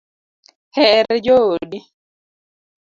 Her joodi